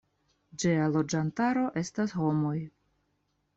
Ĝia loĝantaro estas homoj.